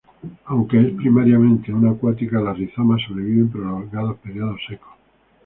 Aunque es primariamente una acuática, los rizomas sobreviven prolongados períodos secos.